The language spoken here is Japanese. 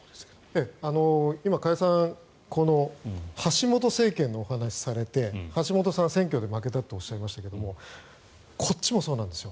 今、加谷さん橋本政権のお話をされて橋本さんは選挙で負けたっておっしゃいましたけどこっちもそうなんですよ。